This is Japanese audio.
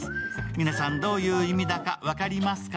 皆さん、どういう意味だか分かりますか？